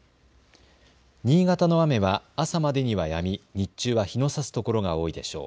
新潟の雨は朝までにはやみ日中は日のさすところが多いでしょう。